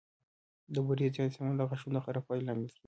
د بوري زیات استعمال د غاښونو د خرابوالي لامل کېږي.